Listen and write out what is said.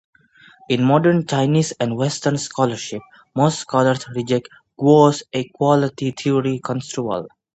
In modern Chinese and western scholarship, most scholars reject Guo's "equality theory" construal.